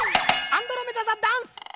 アンドロメダ座ダンス。